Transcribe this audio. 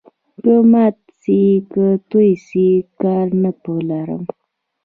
که مات سي که توی سي، کار نه په لرم.